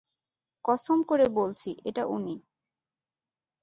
কসম করে বলছি এটা উনি।